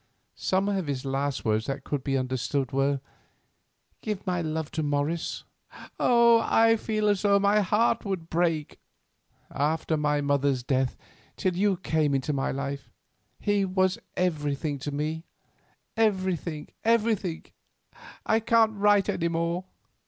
Some of his last words that could be understood were, 'Give my love to Morris.' Oh! I feel as though my heart would break. After my mother's death till you came into my life, he was everything to me—everything, everything. I can't write any more.